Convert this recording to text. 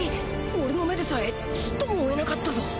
俺の目でさえちっとも追えなかったぞ！！